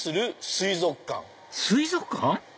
水族館？